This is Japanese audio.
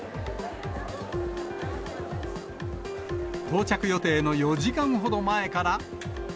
到着予定の４時間ほど前から。